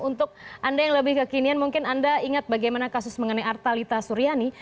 untuk anda yang lebih kekinian mungkin anda ingat bagaimana kasus mengenai artalita suryani